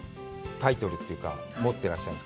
タイトルというか、持っていらっしゃる。